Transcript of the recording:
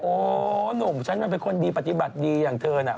โอ้โฮหนุ่มฉันเป็นคนปฏิบัติดีอย่างเธอน่ะ